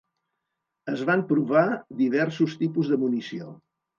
Es van provar diversos tipus de munició.